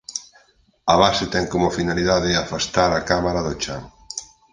A base ten como finalidade afastar a cámara do chan.